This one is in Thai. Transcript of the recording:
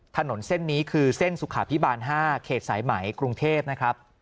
ถนนเส้นนี้คือเส้นสุขาพิบาล๕เขตสายไหมกรุงเทพนะครับ